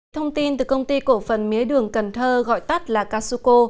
thông tin từ công ty cổ phần mía đường cần thơ gọi tắt là casuco